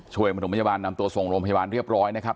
ช่วยถุงปัจจุบันนำตัวส่งโรงพยาบาลเรียบร้อยนะครับ